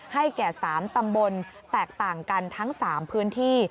ให้แก่๓ตำบลแตกต่างกันทั้ง๓พื้นที่